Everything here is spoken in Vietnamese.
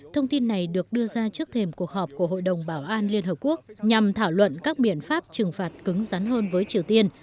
thông tin này được đưa ra trước thềm cuộc họp của hội đồng bảo an liên hợp quốc nhằm thảo luận các biện pháp trừng phạt cứng rắn hơn với triều tiên